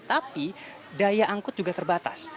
tapi daya angkut juga terbatas